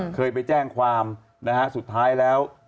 เคยไปแจ้งความนะฮะสุดท้ายแล้ว